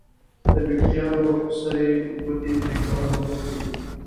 د وېښتیانو سرې ګوتې پرېکول مهم دي.